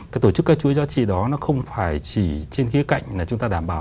cái tổ chức các chuỗi giá trị đó nó không phải chỉ trên khía cạnh là chúng ta đảm bảo